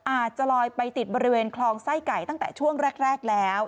อาจจะลอยไปติดบริเวณคลองไส้ไก่ตั้งแต่ช่วงแรกแล้ว